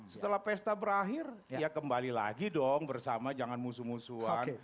setelah pesta berakhir ya kembali lagi dong bersama jangan musuh musuhan